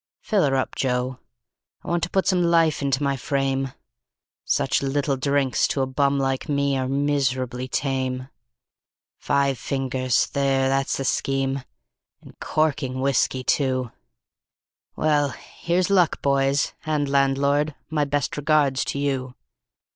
"Fill her up, Joe, I want to put some life into my frame Such little drinks to a bum like me are miserably tame; Five fingers there, that's the scheme and corking whiskey, too. Well, here's luck, boys, and landlord, my best regards to you.